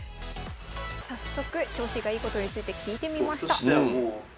早速調子がいいことについて聞いてみました。